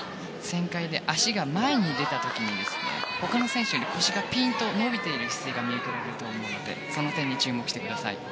旋回で足が前に出た時に他の選手より腰がピンと伸びている姿勢が見受けられると思うのでその点に注目してください。